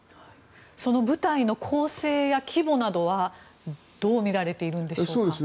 その部隊の構成や規模などはどう見られているんでしょうか？